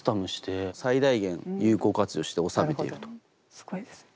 すごいですね。